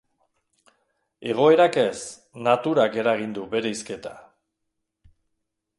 Egoerak ez, naturak eragin du bereizketa.